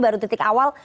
baru titik awal